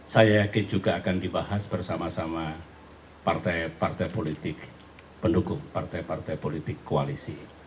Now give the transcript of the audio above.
saya yakin juga akan dibahas bersama sama partai partai politik pendukung partai partai politik koalisi